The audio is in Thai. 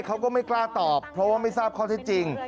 เขาก็ไม่กล้าตอบเพราะว่าไม่ทราบข้อเท็จจริง